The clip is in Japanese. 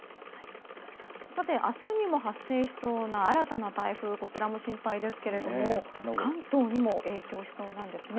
明日にも発生しそうな新たな台風こちらも心配ですが関東にも影響しそうなんですね。